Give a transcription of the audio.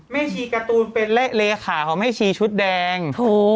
ชีการ์ตูนเป็นเลขาของแม่ชีชุดแดง